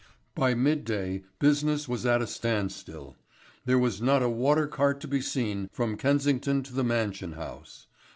] By midday business was at a standstill. There was not a water cart to be seen from Kensington to the Mansion House.